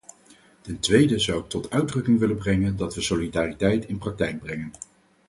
Ten tweede zou ik tot uitdrukking willen brengen dat we solidariteit in praktijk brengen.